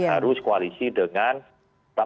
harus koalisi dengan